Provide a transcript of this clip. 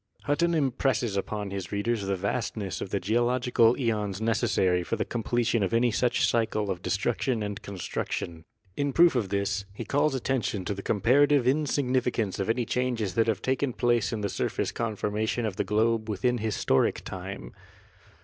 Hutton impresses upon his readers the vastness of the geological eons necessary for the com pletion of any such cycle of destruction and construction. In proof of this, he calls attention to the comparative in significance of any changes that have taken place in the surface conformation of the globe within historic time.